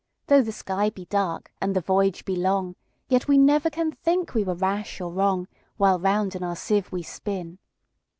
Though the sky be dark, and the voyage be long, Yet we never can think we were rash or wrong, While round in our sieve we spin."